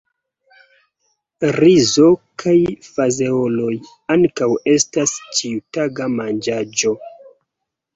Rizo kaj fazeoloj ankaŭ estas ĉiutaga manĝaĵo.